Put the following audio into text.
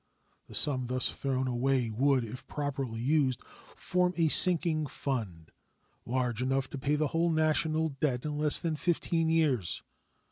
The sum thus thrown away would, if properly used, form a sinking fund large enough to pay the whole national debt in less than fifteen years.